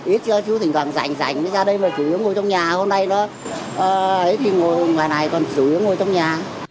ít chú thỉnh thoảng rảnh rảnh ra đây mà chủ yếu ngồi trong nhà hôm nay nữa ít chú ngồi ngoài này còn chủ yếu ngồi trong nhà